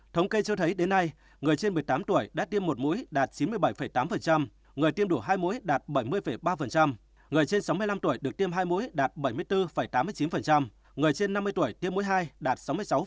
thống kê cho thấy đến nay người trên một mươi tám tuổi đã tiêm một mũi đạt chín mươi bảy tám người tiêm đủ hai mũi đạt bảy mươi ba người trên sáu mươi năm tuổi được tiêm hai mũi đạt bảy mươi bốn tám mươi chín người trên năm mươi tuổi tiêm mũi hai đạt sáu mươi sáu